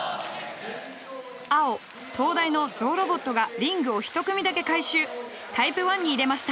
青東大のゾウロボットがリングを１組だけ回収タイプ１に入れました。